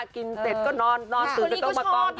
กินเสร็จก็นอนตื่นก็ต้องมากอง